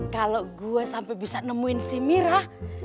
kalau gue sampai bisa nemuin si mirah